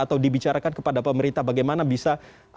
atau dibicarakan kepada pemerintah bagaimana bisa